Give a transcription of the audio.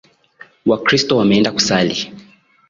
Wakristo wameenda kusali